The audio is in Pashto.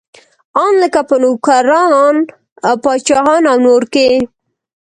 ان لکه په نوکران، پاچاهان او نور کې.